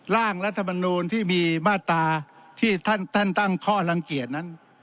ร่างรัฐมนูลที่มีมาตราที่ท่านตั้งข้อลังเกียจนั้น